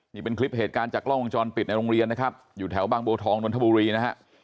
นี่เป็นคลิปเหตุการณ์จากกล้องวงจรปิดในโรงเรียนนะครับอยู่แถวบางบัวทองนนทบุรีนะฮะ